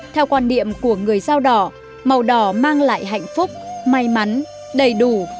theo quan điểm của người giao đỏ màu đỏ mang lại hạnh phúc may mắn đầy đủ và tốt